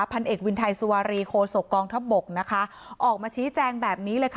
พันเอกวินไทยสุวารีโคศกองทัพบกนะคะออกมาชี้แจงแบบนี้เลยค่ะ